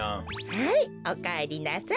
はいおかえりなさい。